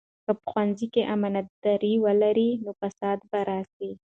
که ښوونځي کې امانتداري ولري، نو فساد به راسي.